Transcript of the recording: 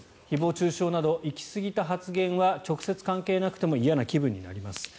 誹謗・中傷など行きすぎた発言は直接関係なくても嫌な気分になります。